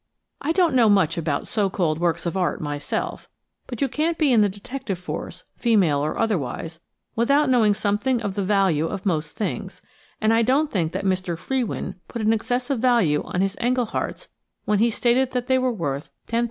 I don't know much about so called works of art myself, but you can't be in the detective force, female or otherwise, without knowing something of the value of most things, and I don't think that Mr. Frewin put an excessive value on his Englehearts when he stated that they were worth £10,000.